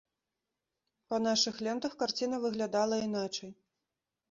Па нашых лентах карціна выглядала іначай.